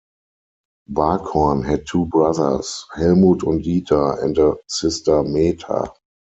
Barkhorn had two brothers, Helmut and Dieter, and a sister Meta.